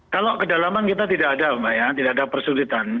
kalau kedalaman kita tidak ada tidak ada persulitan